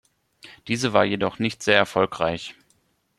Diese war jedoch nicht sehr erfolgreich.